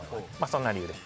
そんな理由で。